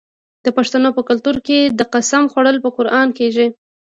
د پښتنو په کلتور کې د قسم خوړل په قران کیږي.